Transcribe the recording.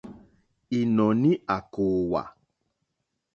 Ìnɔ̀ní à kòòwà.